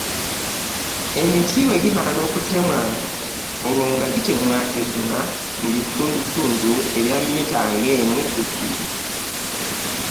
Emiti bwe gimala okutemwa, olwo ate gitemwatemwa mu bitundutundu ebya mmita nga emu ku bbiri.